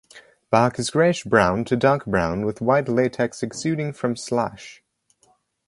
Bark is greyish brown to dark brown with white latex exuding from slash.